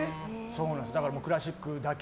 だからクラシックだけ。